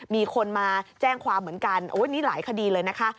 มีคนมาแจ้งความเหมือนกันโอ้นี่หลายคดีเลยนะคะ